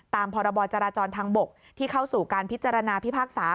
พรบจราจรทางบกที่เข้าสู่การพิจารณาพิพากษา